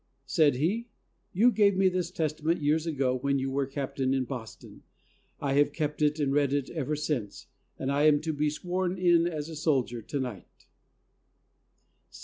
Said he, "You gave me this Testament years ago when you were Captain in Boston. I have kept it and read it ever since, and am to be sworn in as a soldier to night."